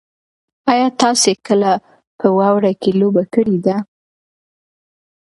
ایا تاسي کله په واوره کې لوبه کړې ده؟